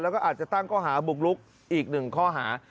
แล้วก็อาจจะตั้งข้อหาบุกลุกอีก๑ข้อหา